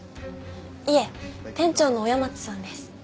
いえ店長の親松さんです。